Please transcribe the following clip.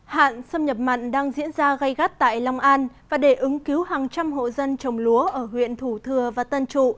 hạn xâm nhập mặn đang diễn ra gây gắt tại long an và để ứng cứu hàng trăm hộ dân trồng lúa ở huyện thủ thừa và tân trụ